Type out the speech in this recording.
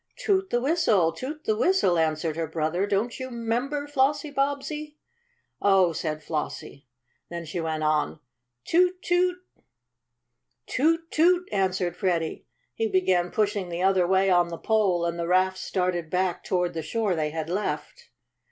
"Toot the whistle! Toot the whistle!" answered her brother. "Don't you 'member, Flossie Bobbsey?" "Oh," said Flossie. Then she went on: "Toot! Toot!" "Toot! Toot!" answered Freddie. He began pushing the other way on the pole and the raft started back toward the shore they had left.